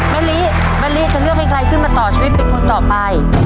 มะลิมะลิจะเลือกให้ใครขึ้นมาต่อชีวิตเป็นคนต่อไป